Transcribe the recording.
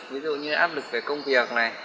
ví dụ như áp lực về công việc này